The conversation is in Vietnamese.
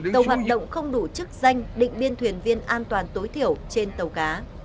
tàu hoạt động không đủ chức danh định biên thuyền viên an toàn tối thiểu trên tàu cá